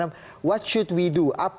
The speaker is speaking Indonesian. apa yang harus kita lakukan